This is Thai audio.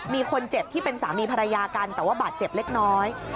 มีคนเจ็บที่เป็นสามีภรรยากันแต่ว่าบาดเจ็บเล็กน้อย